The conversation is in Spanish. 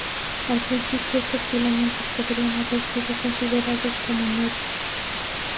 Al principio, estos filamentos podrían haber sido considerados como nervios.